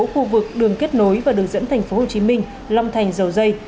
khu vực đường kết nối và đường dẫn thành phố hồ chí minh long thành dầu dây